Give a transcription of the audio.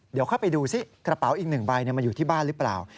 เดี๋ยวค่อยไปดูซิกระเป๋าอีก๑ใบมันอยู่ที่บ้านหรือเปล่า